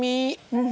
うん。